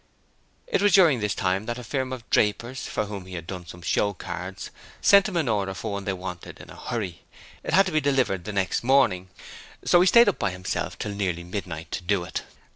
It was during this time that a firm of drapers, for whom he had done some showcards, sent him an order for one they wanted in a hurry, it had to be delivered the next morning, so he stayed up by himself till nearly midnight to do it.